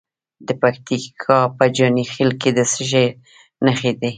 د پکتیکا په جاني خیل کې د څه شي نښې دي؟